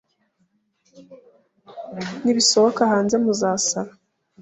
Nibisohoka hanze muzasara